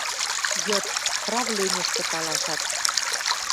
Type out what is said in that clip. Йыд. Правленьӹшкӹ талашат